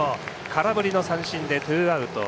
空振りの三振でツーアウト。